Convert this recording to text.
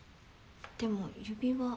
でも指輪。